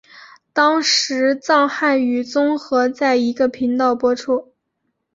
当时藏汉语综合在一个频道播出。